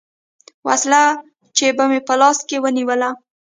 وسله چې به مې په لاس کښې ونېوله.